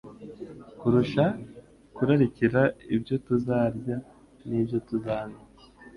kurusha kurarikira ibyo tuzarya n’ibyo tuzanywa,